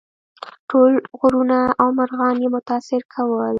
ټول غرونه او مرغان یې متاثر کول.